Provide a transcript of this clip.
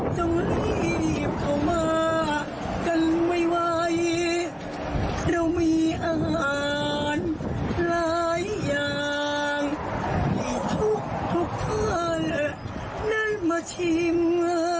ถ้าหากว่าใครได้ลองมากิน